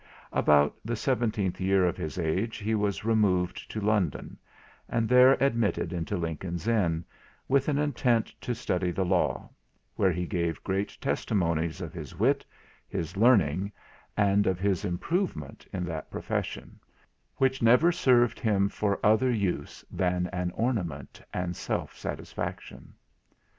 About the seventeenth year of his age he was removed to London, and then admitted into Lincoln's Inn, with an intent to study the law, where he gave great testimonies of his wit, his learning, and of his improvement in that profession; which never served him for other use than an ornament and self satisfaction.